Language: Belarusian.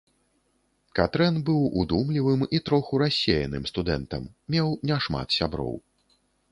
Катрэн быў удумлівым і троху рассеяным студэнтам, меў не шмат сяброў.